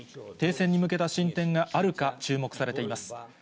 停戦に向けた進展があるか、注目されています。